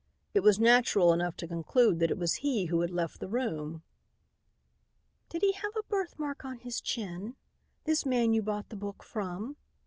It was natural enough to conclude that it was he who had left the room. "Did he have a birthmark on his chin, this man you bought the book from?"